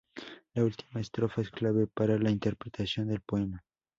La última estrofa es clave para la interpretación del poema.